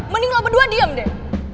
mending lah berdua diem deh